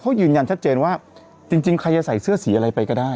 เขายืนยันชัดเจนว่าจริงใครจะใส่เสื้อสีอะไรไปก็ได้